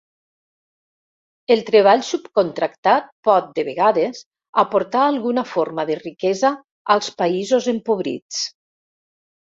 El treball subcontractat pot, de vegades, aportar alguna forma de riquesa als països empobrits.